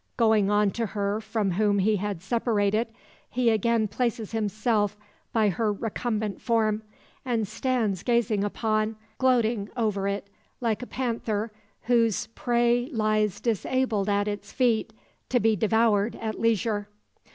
Going on to her from whom he had separated, he again places himself by her recumbent form, and stands gazing upon, gloating over it, like a panther whose prey lies disabled at its feet, to be devoured at leisure.